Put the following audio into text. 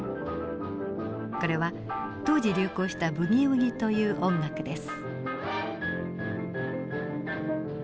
これは当時流行したブギウギという音楽です。